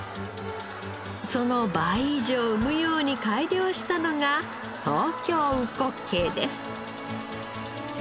その倍以上産むように改良したのが東京うこっけいです。